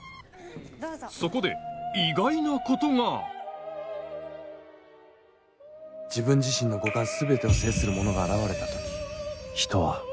そこで意外なことが自分自身の五感全てを制する者が現れた時人は